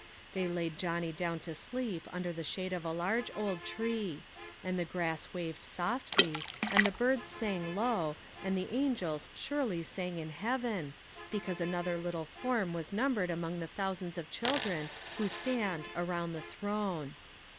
They laid Johnny down to sleep under the shade of a large old tree; and the grass waved softly, and the birds sang low, and the angels surely sang in heaven, because another little form was numbered among the thousands of children who stand "around the Throne."